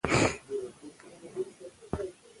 قومونه د ټولو افغانانو د ګټورتیا یوه ډېره مهمه برخه ده.